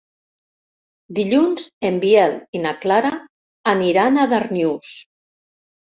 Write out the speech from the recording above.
Dilluns en Biel i na Clara aniran a Darnius.